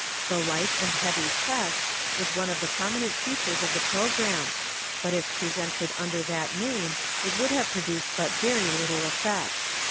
The " Light and Heavy Chest " was one of the prominent features of the programme, but if presented under that name it would have produced but very little effect.